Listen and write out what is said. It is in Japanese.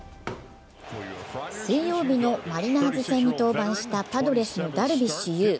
水曜日のマリナーズ戦に登板したパドレスのダルビッシュ有。